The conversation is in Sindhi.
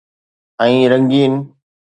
۽ رنگين